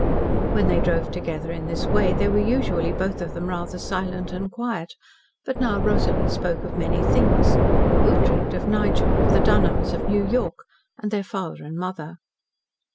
When they drove together in this way they were usually both of them rather silent and quiet, but now Rosalie spoke of many things of Ughtred, of Nigel, of the Dunholms, of New York, and their father and mother.